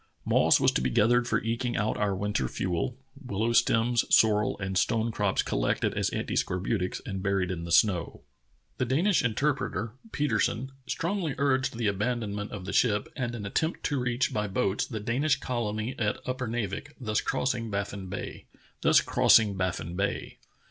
Moss was to be gathered for eking out our winter fuel; willow stems, sorrel, and stone crops collected as anti scorbutics and buried in the snow." 121 122 True Tales of Arctic Heroism The Danish interpreter, Petersen, strong!}' urged the abandonment of the ship and an attempt to reach by boats the Danish colony at Upernavik, thus crossing Baffin Bay.